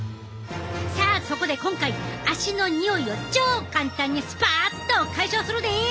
さあそこで今回足のにおいを超簡単にスパッと解消するで！